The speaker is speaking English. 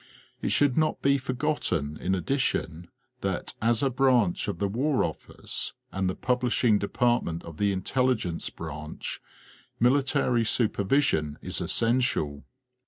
It should not be forgotten in addition that as a branch of the War Office and the Publishing Department of the Intelligence Branch, military supervision is essential.